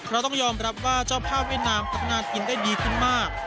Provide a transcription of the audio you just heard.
เราต้องยอมรับว่าเจ้าภาพเวียดนามทำงานกินได้ดีขึ้นมาก